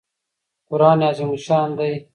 قران عظیم الشان دئ.